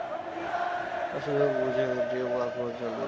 তারা সুযোগ বুঝে মেয়েটির ওপর আক্রমণ চালিয়েছে।